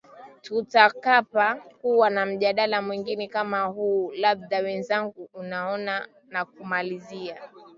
tutakapo kuwa na mjadala mwingine kama huu labda mwenzangu unaona nakumalizia